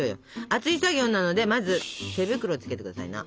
熱い作業なのでまず手袋をつけて下さいな。